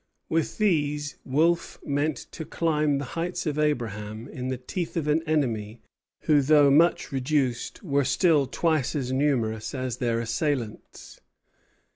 With these, Wolfe meant to climb the heights of Abraham in the teeth of an enemy who, though much reduced, were still twice as numerous as their assailants.